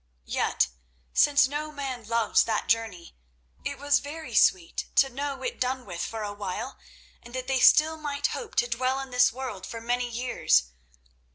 Yet, since no man loves that journey, it was very sweet to know it done with for a while, and that they still might hope to dwell in this world for many years.